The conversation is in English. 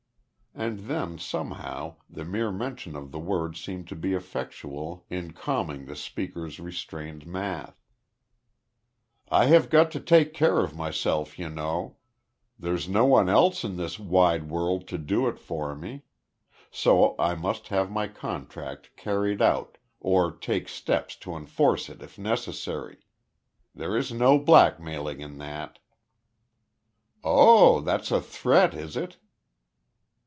And then somehow the mere mention of the word seemed to be effectual in calming the speaker's restrained math. "I have got to take care of myself, you know. There's no one else in this wide world to do it for me. So I must have my contract carried out, or take steps to enforce it if necessary. There is no blackmailing in that." "Oh, that's a threat, is it?"